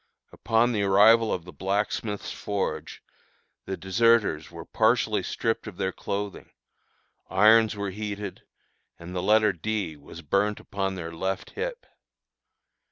Upon the arrival of the blacksmith's forge, the deserters were partially stripped of their clothing, irons were heated, and the letter "D" was burnt upon their left hip.